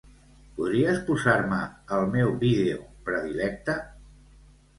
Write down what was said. Podries posar-me el meu vídeo predilecte?